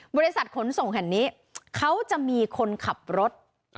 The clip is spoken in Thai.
บริษัทขนส่งแห่งนี้เขาจะมีคนขับรถ